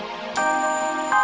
ini saya kenapa